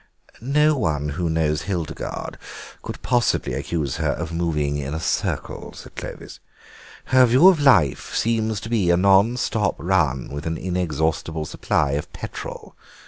"No one who knows Hildegarde could possibly accuse her of moving in a circle," said Clovis; "her view of life seems to be a non stop run with an inexhaustible supply of petrol.